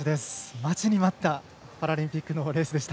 待ちに待ったパラリンピックのレースでした。